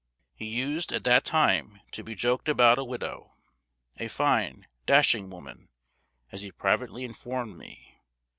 He used at that time to be joked about a widow, a fine dashing woman, as he privately informed me.